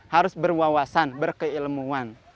harus berwawasan berkeilmuan